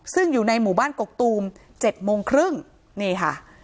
ซึ่งอยู่ในหมู่บ้านกกตูม๗โมงครึ่งนี่ค่ะ